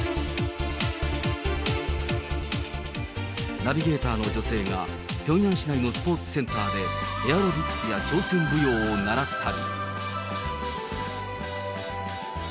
ナビゲーターの女性が、ピョンヤン市内のスポーツセンターで、エアロビクスや朝鮮舞踊を習ったり。